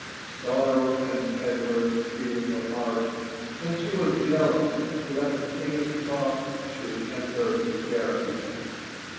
Sorrow and Edwarc filled her heart, and she was jealous leet any thought should enter U share it.